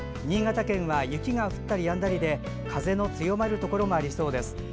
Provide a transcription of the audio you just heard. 新潟県は雪が降ったりやんだりで風の強まるところもありそうです。